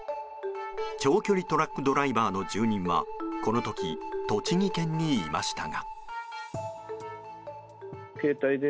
長距離トラックドライバーの住人はこの時、栃木県にいましたが。